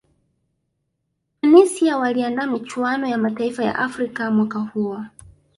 tunisia waliandaa michuano ya mataifa ya afrika mwaka huo